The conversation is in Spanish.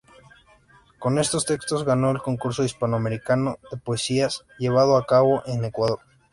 Con estos textos, ganó el Concurso Hispanoamericano de Poesías, llevado a cabo en Ecuador.